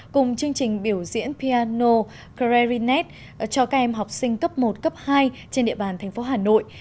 cùng chương trình biểu diễn piano crenet cho các em học sinh cấp một cấp hai trên địa bàn thành phố hà nội